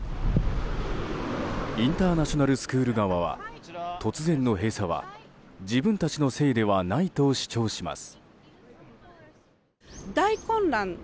インターナショナルスクール側は突然の閉鎖は自分たちのせいではないと主張します。